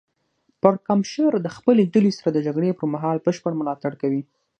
پړکمشر د خپلې ډلې سره د جګړې پر مهال بشپړ ملاتړ کوي.